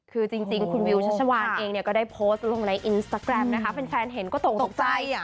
คือจริงคุณวิวชัชวานเองเนี่ยก็ได้โพสต์ลงในอินสตาแกรมนะคะแฟนเห็นก็ตกตกใจ